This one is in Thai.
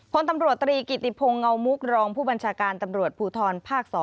พลตำรวจตรีกิติพงศ์เงามุกรองผู้บัญชาการตำรวจภูทรภาค๒